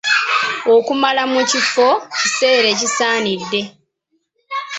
Okumala mu kifo kiseera ekisaanidde.